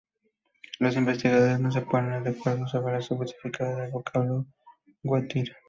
Los investigadores no se ponen de acuerdo sobre el significado del vocablo "guatire".